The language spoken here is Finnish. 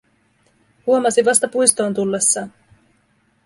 Huomasi vasta puistoon tullessaan.